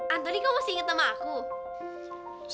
antoni kok masih inget nama aku